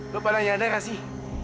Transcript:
lo pada nyadar ga sih